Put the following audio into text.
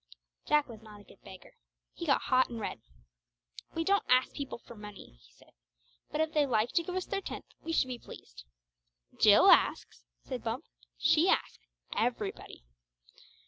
Jack was not a good beggar. He got hot and red. "We don't ask people for money," he said; "but if they like to give us their tenth we should be pleased." "Jill asks," said Bumps. "She asks everybody!"